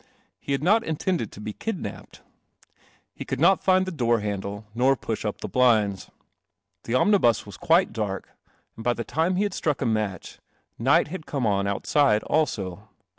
He had not in tended to be kidnapped. He could not find the door handle, nor push up the blinds. The omnibus was quite dark, and by the time he ruck a match, night had Come on out side also.